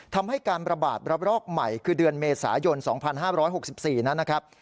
ทำให้การระบาดระลอกใหม่คือเดือนเมษายน๒๕๖๔นั้นนะครับ